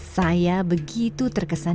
saya begitu terkesan